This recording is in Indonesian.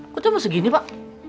kok cuma segini pak